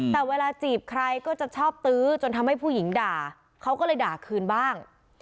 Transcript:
แต่เวลาจีบใครก็จะชอบตื้อจนทำให้ผู้หญิงด่าเขาก็เลยด่าคืนบ้าง